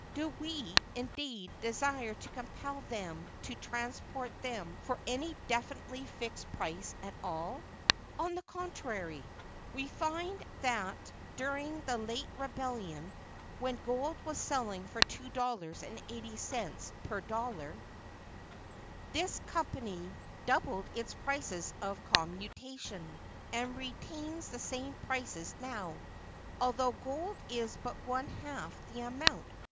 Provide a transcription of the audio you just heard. Do we, indeed, desire to compel them to transport them for any definitely fixed price at all? On the contrary, we find that during the late rebellion, when gold was selling for two dollars and eighty cents per dollar, this company doubled its prices of commutation, and retains the same prices now, although gold is but one half that amount ($1.